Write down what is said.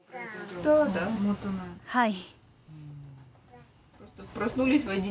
はい。